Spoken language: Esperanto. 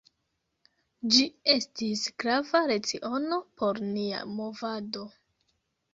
Ĝi estis grava leciono por nia movado.